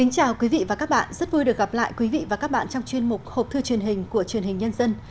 chào mừng quý vị đến với bộ phim học thư truyền hình của truyền hình nhân dân